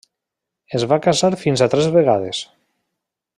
Es va casar fins a tres vegades.